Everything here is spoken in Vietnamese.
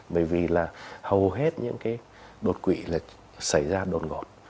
bởi vì là hầu hết những cái đột quỵ là xảy ra đột ngột